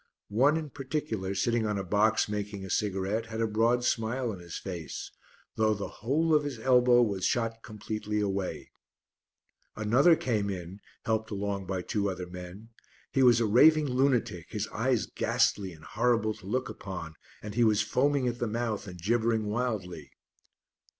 One, in particular, sitting on a box making a cigarette, had a broad smile on his face, though the whole of his elbow was shot completely away. Another came in, helped along by two other men; he was a raving lunatic, his eyes ghastly and horrible to look upon, and he was foaming at the mouth, and gibbering wildly.